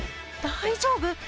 大丈夫？